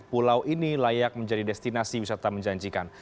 pulau ini layak menjadi destinasi wisata menjanjikan